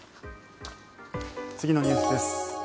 次のニュースです。